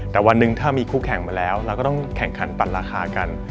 แต่วันหนึ่งถ้ามีคู่แข่งมาแล้วเราก็ต้องแข่งขันปั่นราคากัน